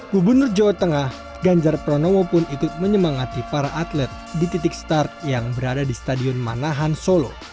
gubernur jawa tengah ganjar pranowo pun ikut menyemangati para atlet di titik start yang berada di stadion manahan solo